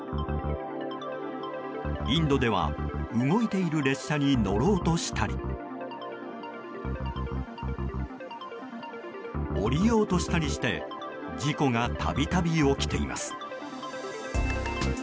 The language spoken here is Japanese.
インドでは動いている列車に乗ろうとしたり降りようとしたりして事故が度々、起きています。